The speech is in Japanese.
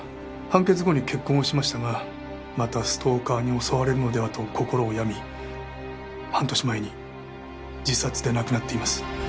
判決後に結婚をしましたがまたストーカーに襲われるのではと心を病み半年前に自殺で亡くなっています。